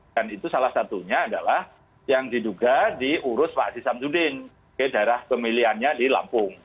dan itu salah satunya adalah yang diduga diurus pak aziz samsudin oke darah pemilihannya di lampung